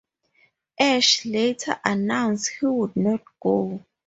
Ash later announced he would not go.